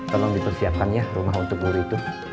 tolong dipersiapkan ya rumah untuk guru itu